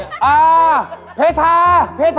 อาหารการกิน